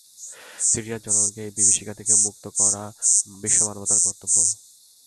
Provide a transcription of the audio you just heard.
সিরিয়ার জনগণকে এই বিভীষিকা থেকে মুক্ত করা বিশ্বমানবতার কর্তব্য।